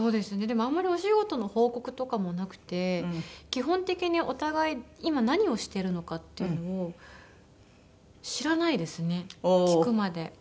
でもあんまりお仕事の報告とかもなくて基本的にお互い今何をしてるのかっていうのを知らないですね聞くまで。